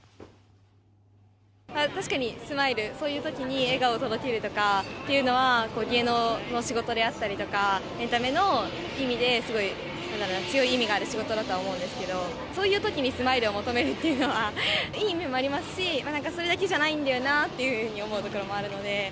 確かにスマイル、そういうときに笑顔を届けるとかっていうのは、芸能の仕事であったりとか、エンタメの意味で、すごい強い意味がある仕事だと思うんですけど、そういうときにスマイルを求めるっていうのは、いい意味もありますし、なんかそれだけじゃないんだよなって思うところもあるので。